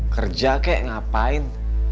kerja kek ngapain